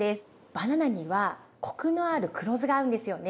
バナナにはコクのある黒酢が合うんですよね。